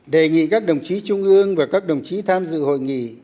đề nghị các đồng chí trung ương và các đồng chí tham dự hội nghị